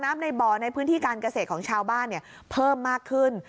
ในบ่อในพื้นที่การเกษตรของชาวบ้านเพิ่มมากขึ้น